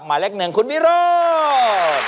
หมายเลขหนึ่งคุณวิโรธ